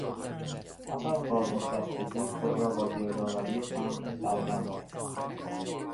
پس از بازنشستگی خود را با گردآوری تمبر سرگرم کرد.